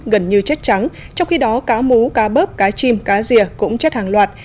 gần như chất trắng trong khi đó cá mú cá bớp cá chim cá rìa cũng chất hàng loạt